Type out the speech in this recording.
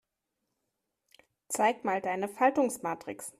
Zeig mal deine Faltungsmatrix.